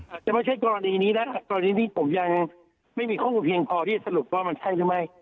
อาจจะไม่ใช่กรณีนี้นะกรณีที่ผมยังไม่มีข้อมูลเพียงพอที่จะสรุปว่ามันใช่ใช่ไหม